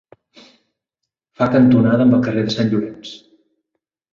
Fa cantonada amb el carrer de Sant Llorenç.